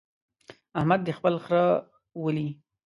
احمد دې خپل خره ولي.